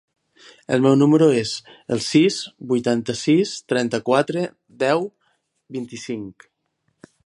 El meu número es el sis, vuitanta-sis, trenta-quatre, deu, vint-i-cinc.